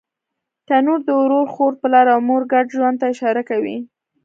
تنور د ورور، خور، پلار او مور ګډ ژوند ته اشاره کوي